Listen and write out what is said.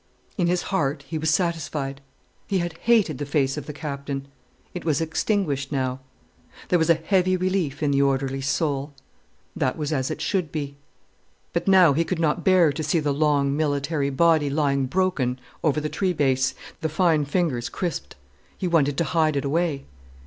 In his heart he was satisfied. He had hated the face of the Captain. It was extinguished now. There was a heavy relief in the orderly's soul. That was as it should be. But he could not bear to see the long, military body lying broken over the tree base, the fine fingers crisped. He wanted to hide it away.